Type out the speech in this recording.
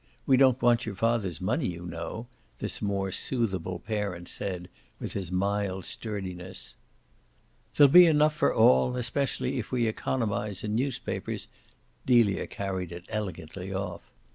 We don't want your father's money, you know," this more soothable parent said with his mild sturdiness. "There'll be enough for all; especially if we economise in newspapers" Delia carried it elegantly off.